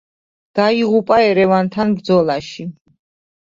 დაიღუპა ერევანთან ბრძოლაში.